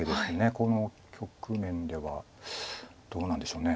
この局面ではどうなんでしょう。